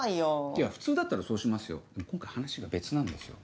いや普通だったらそうしますよでも今回話が別なんですよ。